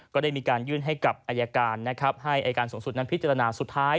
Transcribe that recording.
ก็ได้มีการยื่นให้กับอัยการให้ส่วนสุดนับพิจารณะสุดท้าย